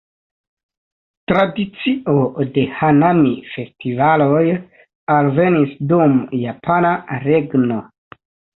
Tradicio de "hanami"-festivaloj alvenis dum japana regno.